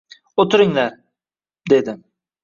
— O’tiringlar! — dedi.